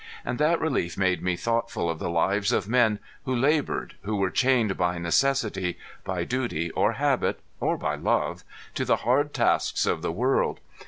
And that relief made me thoughtful of the lives of men who labored, who were chained by necessity, by duty or habit, or by love, to the hard tasks of the world.